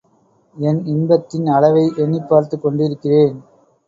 என் இன்பத்தின் அளவை எண்ணிப் பார்த்துக் கொண்டிருக்கிறேன்.